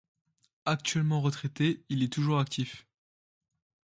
Actuellement retraité il est toujours actif.